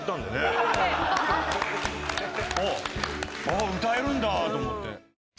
ああ歌えるんだと思って。